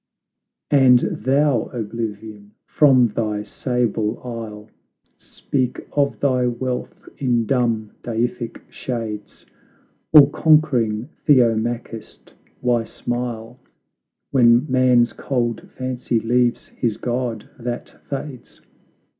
And thou, Oblivion, from thy sable isle, Speak of thy wealth in dumb deific shades; All conquering Theomachist, why smile When man's cold fancy leaves his God that fades?